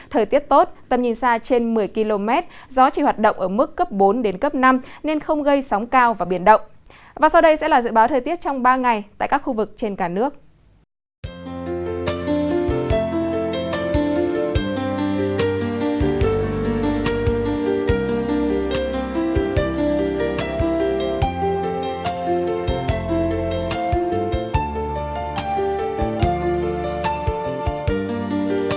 thời tiết tốt tầm nhìn xa trên một mươi km